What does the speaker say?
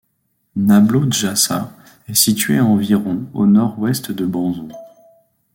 Nablo-Djassa est situé à environ au nord-ouest de Banzon.